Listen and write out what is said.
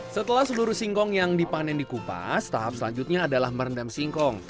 setelah seluruh singkong yang dipanen dikupas tahap selanjutnya adalah merendam singkong